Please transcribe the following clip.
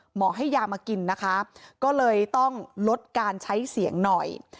หมอให้ยามากินนะคะก็เลยต้องลดการใช้เสียงหน่อย